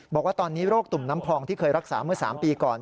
บอกว่าตอนนี้โรคตุ่มน้ำพองที่เคยรักษาเมื่อ๓ปีก่อน